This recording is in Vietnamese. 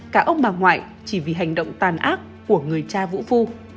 cả ông bà ngoại chỉ vì hành động tàn ác của người cha vũ phu